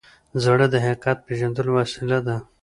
زړه د حقیقت پیژندلو وسیله ده.